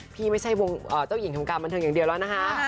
ไม่ใช่วงเจ้าหญิงของการบันเทิงอย่างเดียวแล้วนะคะ